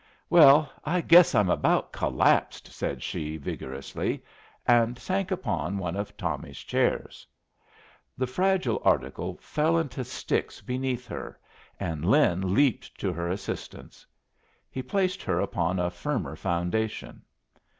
"Well, I guess I'm about collapsed!" said she, vigorously, and sank upon one of Tommy's chairs. The fragile article fell into sticks beneath her, and Lin leaped to her assistance. He placed her upon a firmer foundation.